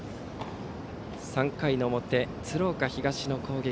３回の表、鶴岡東の攻撃。